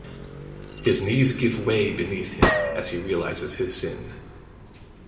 His knees give way beneath him as he realises his sin.